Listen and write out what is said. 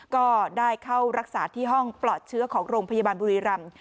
ก็ได้เข้ารักษาที่ห้องปลอดเชื้อของโรงพยาบาลบุรีรำ